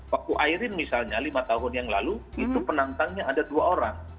waktu airin misalnya lima tahun yang lalu itu penantangnya ada dua orang